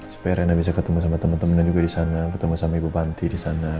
supaya reyna bisa ketemu sama teman teman yang juga disana ketemu sama ibu panti disana